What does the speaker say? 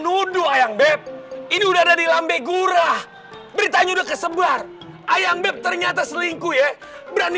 nuduh ayam beb ini udah ada di lambegura beritanya udah kesebar ayam beb ternyata selingkuh ya berani